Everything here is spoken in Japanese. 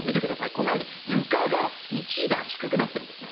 このように床が１段低くなってるんですね。